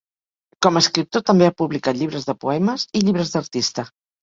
Com a escriptor també ha publicat llibres de poemes i llibres d'artista.